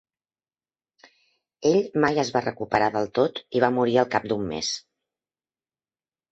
Ell mai es va recuperar del tot i va morir al cap d'un mes.